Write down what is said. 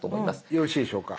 よろしいでしょうか。